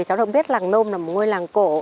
cháu được biết làng nôm là một ngôi làng cổ